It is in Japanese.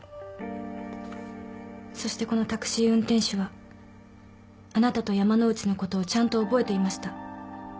そしてこのタクシー運転手はあなたと山之内のことをちゃんと覚えていました。